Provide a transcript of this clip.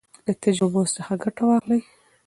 له تجربو څخه ګټه واخلئ.